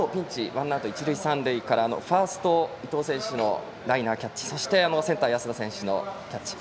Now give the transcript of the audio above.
ワンアウト一塁三塁からのファースト、伊藤選手のライナーキャッチそしてセンター、安田選手のキャッチ。